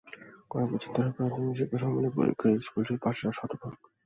কয়েক বছর ধরে প্রাথমিক শিক্ষা সমাপনী পরীক্ষায় স্কুলটির পাসের হার শতভাগ।